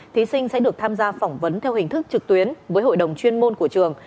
thí sinh sẽ được tham gia phỏng vấn theo hình thức trực tuyến với hội đồng chuyên môn của trường